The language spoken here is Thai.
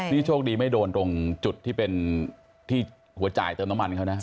นี่โชคดีไม่โดนตรงจุดที่เป็นที่หัวจ่ายเติมน้ำมันเขานะ